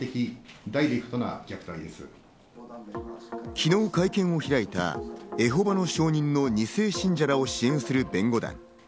昨日、会見を開いたエホバの証人の２世信者らを支援する弁護団。